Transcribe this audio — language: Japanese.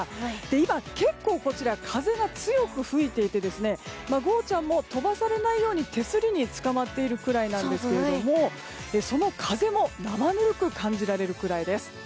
今、結構こちらは風が強く吹いていてゴーちゃん。も飛ばされないように手すりにつかまっているぐらいなんですけどその風も生ぬるく感じられるくらいです。